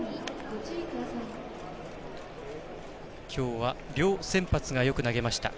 きょうは両先発がよく投げました。